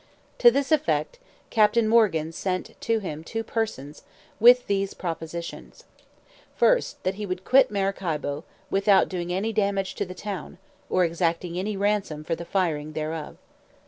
To this effect, Captain Morgan sent to him two persons, with these propositions: First, that he would quit Maracaibo, without doing any damage to the town, or exacting any ransom for the firing thereof.